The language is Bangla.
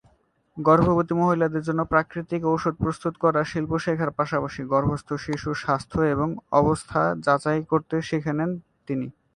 গর্ভবতী মহিলাদের জন্য প্রাকৃতিক ওষুধ প্রস্তুত করার শিল্প শেখার পাশাপাশি গর্ভস্থ শিশুর স্বাস্থ্য এবং অবস্থান যাচাই করতেও শিখে নেন তিনি।